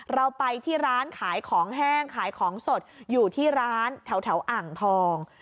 เราไปที่ร้านขายของแห้งขายของสดอยู่ที่ร้านแถวอ่างทอง